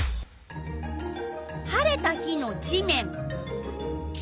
晴れた日の地面。